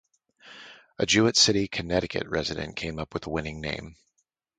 A Jewett City, Connecticut resident, came up with the winning name.